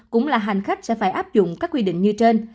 cũng là hành khách sẽ phải áp dụng các quy định như trên